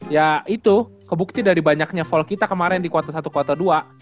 ya itu kebukti dari banyaknya fall kita kemaren di quarter satu quarter dua